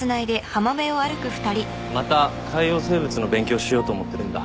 また海洋生物の勉強しようと思ってるんだ。